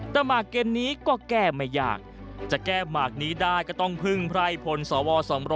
เบอร์เกณฑ์นี้ก็แก้ไม่อยากจะแก้หมาก็นิดถึงใครผลสว๒๐๐